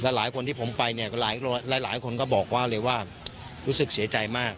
หลายคนที่ผมไปเนี่ยหลายคนก็บอกว่าเลยว่ารู้สึกเสียใจมาก